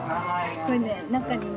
これね中にね。